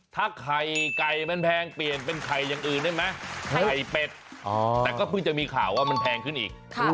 ถ้าไข่ไก่มันแพงเปลี่ยนเป็นไข่อย่างอื่นได้ไหมไข่เป็ดแต่ก็เพิ่งจะมีข่าวว่ามันแพงขึ้นอีก